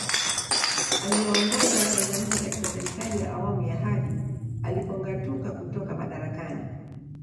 Aliwaongoza watanzania katika Serikali ya Awamu ya hadi alipongatuka kutoka madarakani